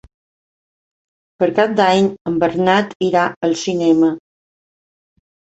Per Cap d'Any en Bernat irà al cinema.